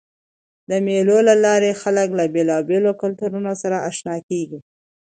د مېلو له لاري خلک له بېلابېلو کلتورونو سره اشنا کېږي.